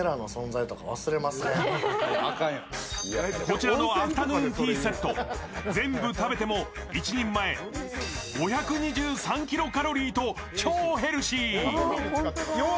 こちらのアフタヌーンティーセット、全部食べても一人前５２３キロカロリーと超ヘルシー。